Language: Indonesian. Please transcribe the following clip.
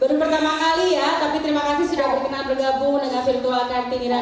berusaha pertama kali ya tapi terima kasih sudah berkenan bergabung dengan virtual kartiniran dua ribu dua puluh